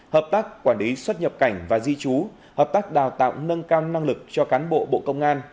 hợp tác quản lý xuất nhập cảnh và di trú hợp tác đào tạo nâng cao năng lực cho cán bộ bộ công an